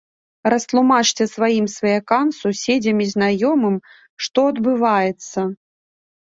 Растлумачце сваім сваякам, суседзям і знаёмым, што адбываецца.